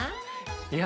いや。